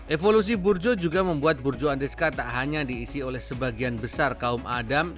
evolusi burjo juga membuat burjo andreska tak hanya diisi oleh sebagian besar kaum adam